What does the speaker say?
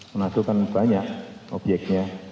manado kan banyak obyeknya